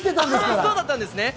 そうだったんですね。